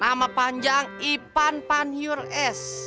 nama panjang ipan panyur s